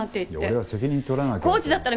いや俺は責任取らなきゃって。